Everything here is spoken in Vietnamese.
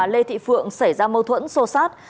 đây thì phượng xảy ra mâu thuẫn sô sát